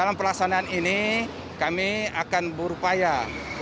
untuk melaksanakan kegiatan kegiatan pengaturan dan rangka negara hadir